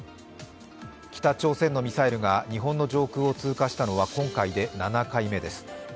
北朝鮮のミサイルが日本の上空を通過したのは今回で７回目です。